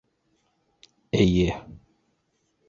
- Эйе.